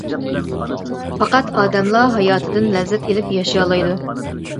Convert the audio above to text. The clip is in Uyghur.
پەقەت ئادەملا ھاياتىدىن لەززەت ئېلىپ ياشىيالايدۇ.